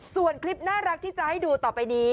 ส่วนคลิปน่ารักที่จะให้ดูต่อไปนี้